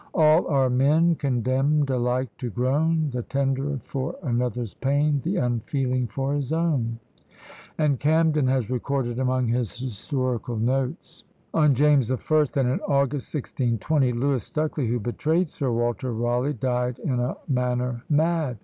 All are men, Condemned alike to groan; The tender for another's pain, THE UNFEELING FOR HIS OWN. And Camden has recorded, among his historical notes on James the First, that in August, 1620, "Lewis Stucley, who betrayed Sir Walter Rawleigh, died in a manner mad."